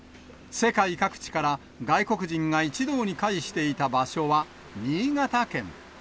世界各地から外国人が一堂に会していた場所は新潟県。